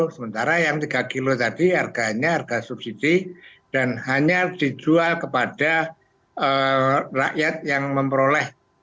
sementara yang tiga kilo tadi harganya harga subsidi dan hanya dijual kepada rakyat yang memperoleh